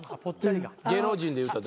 芸能人で言うたら誰。